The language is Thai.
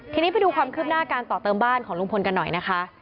ทีนี้ไปดูความคืบหน้าการต่อเติมบ้านของลุงพลกันหน่อยนะคะ